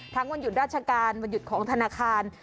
วันหยุดราชการวันหยุดของธนาคาร